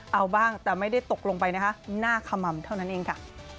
เอาบ้างแต่ไม่ได้ตกลงไปนะคะหน้าขม่ำเท่านั้นเองค่ะ